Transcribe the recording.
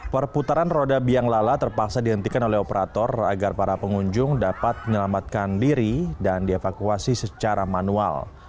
perputaran roda biang lala terpaksa dihentikan oleh operator agar para pengunjung dapat menyelamatkan diri dan dievakuasi secara manual